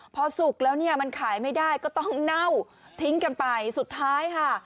พอสุกแล้วเนี่ยมันขายไม่ได้ก็ต้องเน่าทิ้งกันไปสุดท้ายค่ะ